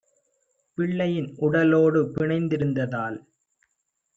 பிள்ளையின் உடலொடு பிணைந்தி ருந்ததால்